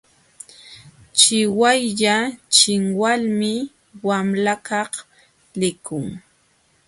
Chiwaylla chinwalmi wamlakaq likun.